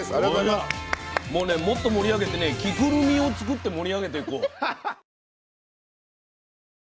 もうねもっと盛り上げてね「着ぐるみ」を作って盛り上げていこう。